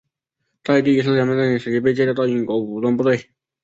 在第一次鸦片战争时期被借调到英国武装部队。